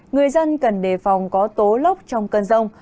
người dân cần đề phòng có tố lốc trong cơn rông